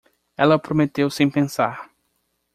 Ela prometeu sem pensar